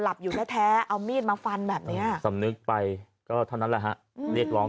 อยู่แท้เอามีดมาฟันแบบนี้สำนึกไปก็เท่านั้นแหละฮะเรียกร้อง